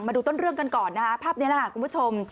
มาดูต้นเรื่องกันก่อนนะฮะภาพนี้แหละค่ะคุณผู้ชม